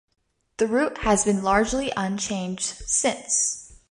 The route has been largely unchanged since.